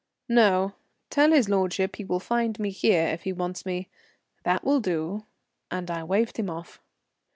"No. Tell his lordship he will find me here if he wants me. That will do," and I waved him off.